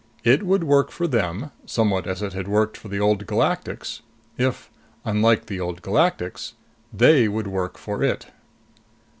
It would work for them, somewhat as it had worked for the Old Galactics, if unlike the Old Galactics they would work for it.